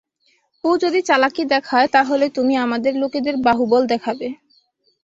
ও যদি চালাকি দেখায়, তাহলে তুমি আমাদের লোকেদের বাহুবল দেখাবে।